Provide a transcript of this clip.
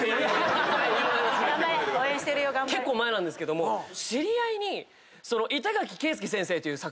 結構前なんですけども知り合いに。